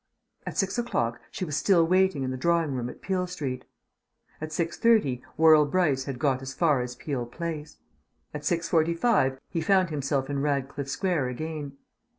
At six o'clock she was still waiting in the drawing room at Peele Crescent.... At six thirty Worrall Brice had got as far as Peele Place.... At six forty five he found himself in Radcliffe Square again....